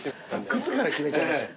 靴から決めちゃいました。